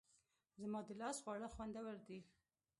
زما د لاس خواړه خوندور دي